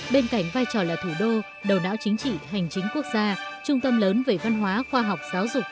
bên cạnh vai trò là thủ đô đầu não chính trị hành chính quốc gia trung tâm lớn về văn hóa khoa học giáo dục